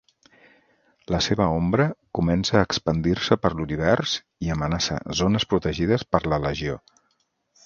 La seva ombra comença a expandir-se per l'univers i amenaça zones protegides per la Legió.